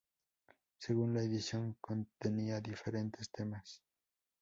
Según la edición, contenía diferentes temas.